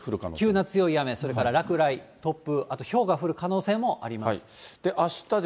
急な強い雨、それから落雷、突風、あとひょうが降る可能性もあります。